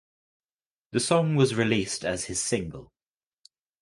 The song was released as his single.